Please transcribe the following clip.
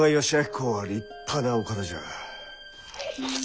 公は立派なお方じゃ。